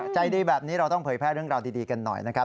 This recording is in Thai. ใจดีแบบนี้เราต้องเผยแพร่เรื่องราวดีกันหน่อยนะครับ